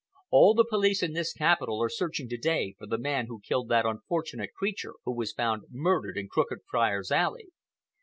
All the police in this capital are searching to day for the man who killed that unfortunate creature who was found murdered in Crooked Friars' Alley.